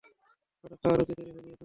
ওটা খাওয়ার রুচি তৈরি হয়নি এখনও।